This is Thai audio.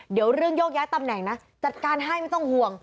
เดี๋ยวเรื่องโยกย้ายตำแหน่งนะจัดการให้ไม่ต้องห่วง